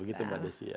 begitu mbak desy